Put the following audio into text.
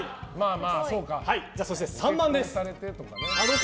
そして３番です。